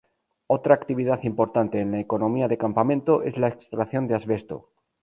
Otra actividad importante en la economía de Campamento es la extracción de asbesto.